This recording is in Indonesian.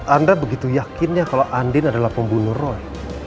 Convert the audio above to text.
anda begitu yakin ya kalau andin adalah pembunuh roy